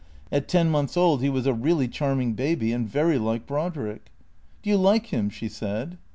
At ten months old he was a really charming baby, and very like Brodrick. "Do you like him?" she said.